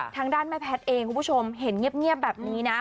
ทางด้านแม่แพทย์เองคุณผู้ชมเห็นเงียบแบบนี้นะ